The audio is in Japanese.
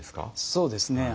そうですね。